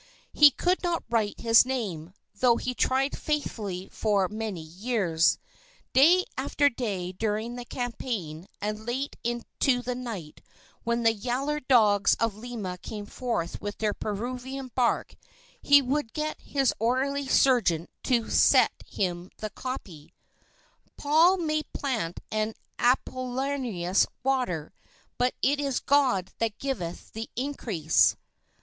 He could not write his name, though he tried faithfully for many years. Day after day during the campaign, and late into the night, when the yaller dogs of Lima came forth with their Peruvian bark, he would get his orderly sergeant to set him the copy: "Paul may plant and Apollinaris water, but it is God that giveth the increase."